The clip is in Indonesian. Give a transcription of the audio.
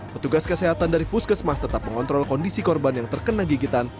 petugas kesehatan dari puskesmas tetap mengontrol kondisi korban yang terkena gigitan